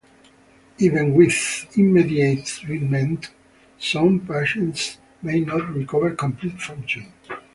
Even with immediate treatment, some patients may not recover complete function.